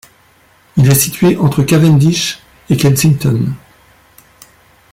Il est situé entre Cavendish et Kensington.